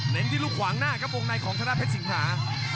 เน้นที่ลูกขวางหน้าก็วงในของทางหน้าเพชรสิงหา